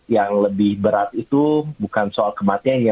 yang lebih berat itu bukan soal kematian ya